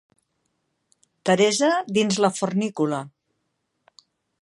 Teresa dins la fornícula.